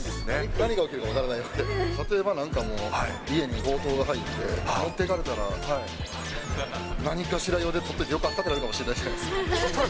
何が起きるか分からないですから、例えば、家に強盗が入って、持っていかれたら、何かしら用で取っといてよかったってなるかもしれないですから。